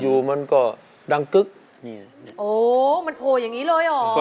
อยู่ดีเข่าเราไปบิด